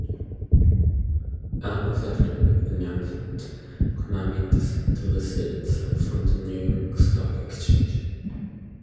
Hours after the announcement, Konami delisted itself from the New York Stock Exchange.